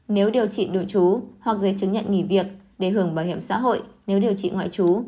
nếu điều trị nội chú hoặc giấy chứng nhận nghỉ việc để hưởng bảo hiểm xã hội nếu điều trị ngoại trú